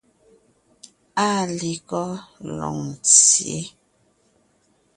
Áa lekɔ́ Loŋtsyě?